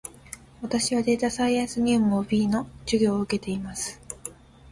私はデータサイエンス入門 B の授業を受けています